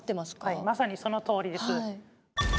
はいまさにそのとおりです。